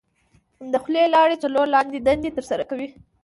د خولې لاړې څلور لاندې دندې تر سره کوي.